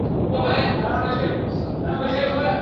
یو خزان یې په تندي کي رالیکلی ..